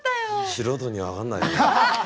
素人には分かんないよ。